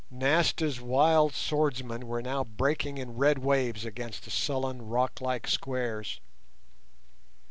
Nasta's wild swordsmen were now breaking in red waves against the sullen rock like squares.